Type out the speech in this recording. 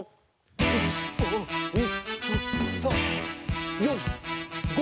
１２３４５。